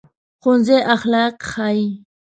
ښوونځی اخلاق ښيي